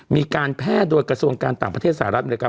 มีการแพร่โดยกระทรวงการต่างประเทศสหรัฐอเมริกา